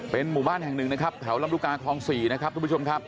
หมู่บ้านแห่งหนึ่งนะครับแถวลำลูกกาคลอง๔นะครับทุกผู้ชมครับ